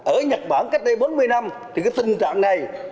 ở nhật bản cách đây bốn mươi năm thì cái tình trạng này